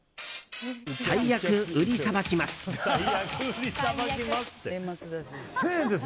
最悪、売りさばきます。